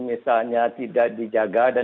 misalnya tidak dijaga dan